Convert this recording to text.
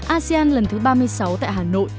asean lần thứ ba mươi sáu tại hà nội